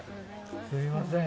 すみません。